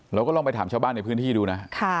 เราก็ลองไปถามชาวบ้านในพื้นที่ดูนะฮะ